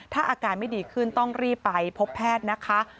ถ้าอาการไม่ดีขึ้นต้องรีบไปพบแพทย์นะคะ